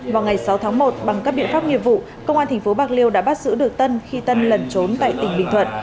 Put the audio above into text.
vào ngày sáu tháng một bằng các biện pháp nghiệp vụ công an tp bạc liêu đã bắt giữ được tân khi tân lẩn trốn tại tỉnh bình thuận